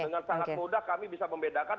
dengan sangat mudah kami bisa membedakan